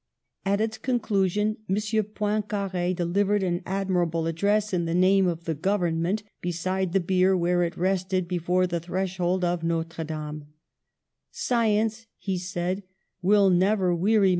At its conclusion M. Poincare deliv ered an admirable address in the name of the Government beside the bier, where it rested before the threshold of Notre Dame. "Science," he said, "will never weary.